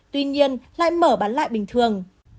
tuy nhiên lại mở bán lại bình thường